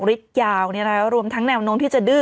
ฤทธิ์ยาวรวมทั้งแนวโน้มที่จะดื้อ